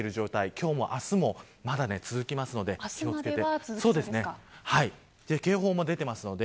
今日も明日も、まだ続きますので警報も出ていますので